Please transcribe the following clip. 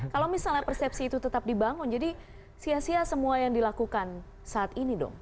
kalau misalnya persepsi itu tetap dibangun jadi sia sia semua yang dilakukan saat ini dong